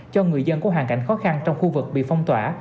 cho người dân có hoàn cảnh khó khăn trong khu vực bị phong tỏa